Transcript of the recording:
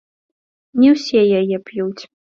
Не ўсе яе п'юць.